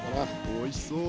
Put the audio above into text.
おいしそう！